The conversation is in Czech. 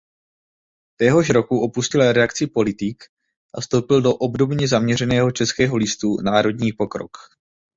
Téhož roku opustil redakci "Politik" a vstoupil do obdobně zaměřeného českého listu "Národní pokrok".